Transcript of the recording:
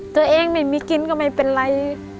ตัวเองไม่มีกินก็ไม่เป็นไร